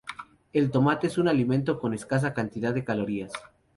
El tomate es un alimento con escasa cantidad de calorías.